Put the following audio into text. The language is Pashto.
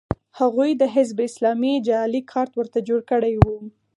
هغوی د حزب اسلامي جعلي کارت ورته جوړ کړی و